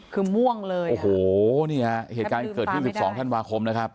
คือม่วงเลยโอ้โหเนี่ยเหตุการณ์เกิดที่สิบสองท่านวาคมนะครับ